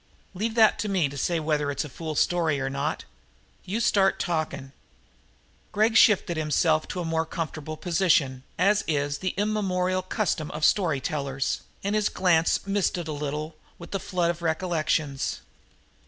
"Leave that to me to say whether it's a fool story or not. You start the talking." Gregg shifted himself to a more comfortable position, as is the immemorial custom of story tellers, and his glance misted a little with the flood of recollections.